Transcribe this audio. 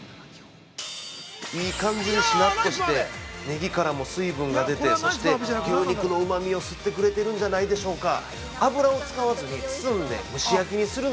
◆いい感じにしなっとしてネギからも水分が出てそして、牛肉のうまみを吸ってくれてるんじゃないでしょうか。